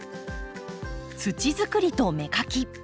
土づくりと芽かき。